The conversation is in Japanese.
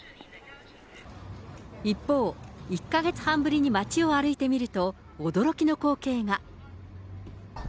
一方、１か月半ぶりに街を歩いてみると、驚きの光景が。